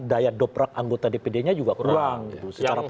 daya dobrak anggota dpd nya juga kurang